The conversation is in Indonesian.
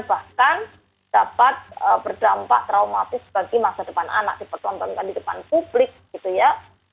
bahkan dapat berdampak traumatis bagi masa depan anak dipertontonkan di depan publik gitu ya